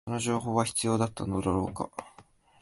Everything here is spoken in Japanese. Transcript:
その情報は必要だったのだろうか